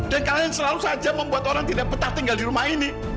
dan kalian selalu saja membuat orang tidak betah tinggal di rumah ini